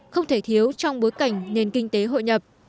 không thể thiếu trong bối cảnh nền kinh tế hội nhập